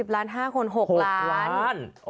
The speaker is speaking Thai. ล้าน๕คน๖ล้าน